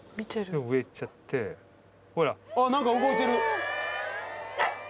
あっ何か動いてる。